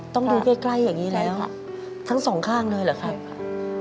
ต้องดูใกล้อย่างนี้แล้วทั้งสองข้างเลยเหรอครับ